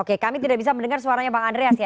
oke kami tidak bisa mendengar suaranya bang andreas ya